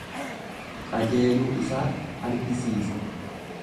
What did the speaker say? Qajeeluu isaa argisiisa.